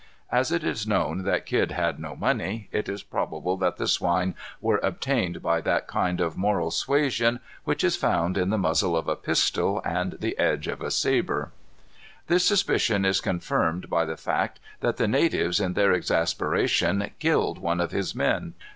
As it is known that Kidd had no money, it is probable that the swine were obtained by that kind of moral suasion which is found in the muzzle of a pistol and the edge of a sabre. This suspicion is confirmed by the fact that the natives, in their exasperation, killed one of his men.